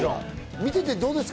見ててどうですか？